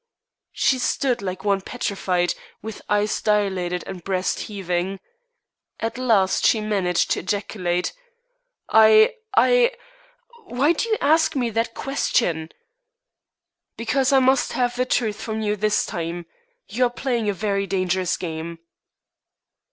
She stood like one petrified, with eyes dilated and breast heaving. At last she managed to ejaculate: "I I why do you ask me that question?" "Because I must have the truth from you this time. You are playing a very dangerous game."